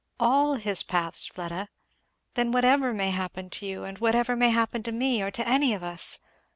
"'All his paths,' Fleda then, whatever may happen to you, and whatever may happen to me, or to any of us.